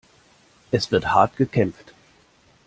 Es wird hart gekämpft.